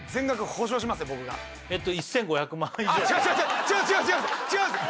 １５６０万